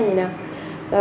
người đi đường bình thường